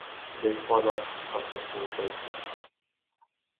They fall off as the fruit ripens.